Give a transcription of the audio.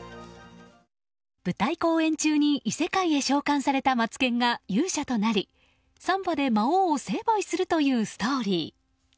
舞台公演中に異世界へ召喚されたマツケンが勇者となりサンバで魔王を成敗するというストーリー。